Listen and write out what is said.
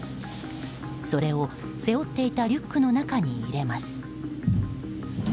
それを背負っていたリュックの中に入れます。